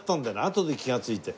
あとで気がついて。